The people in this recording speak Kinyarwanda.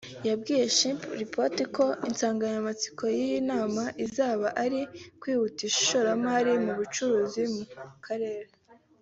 yabwiye Chimpreports ko insanganyamatsiko y’iyi nama izaba ari “Kwihutisha ishoramari mu bucuruzi mu karere”